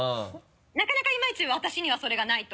なかなかいまいち私にはそれがないと。